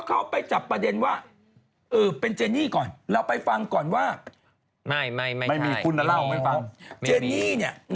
ก็จึงขนาดนี้